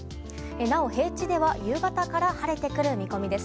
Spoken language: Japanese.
なお、平地では夕方から晴れてくる見込みです。